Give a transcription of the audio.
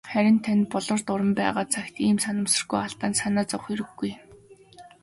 Харин танд "Болор дуран" байгаа цагт ийм санамсаргүй алдаанд санаа зовох хэрэггүй.